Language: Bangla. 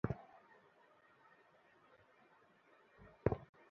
কারণ, একদিকে তিনি বয়সে আমার তুলনায় অনেক বড়, আবার আমাদের ধর্মও ভিন্ন।